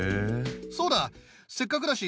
そうだせっかくだし